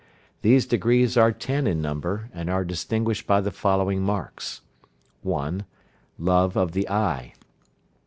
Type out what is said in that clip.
These degrees are ten in number, and are distinguished by the following marks: 1. Love of the eye.